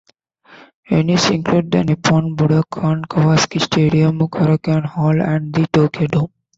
Venues include the Nippon Budokan, Kawasaki Stadium, Korakuen Hall, and the Tokyo Dome.